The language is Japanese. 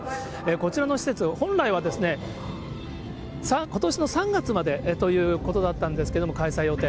こちらの施設、本来はことしの３月までということだったんですけど、開催予定。